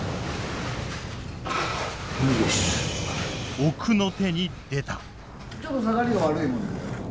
奥の手に出た。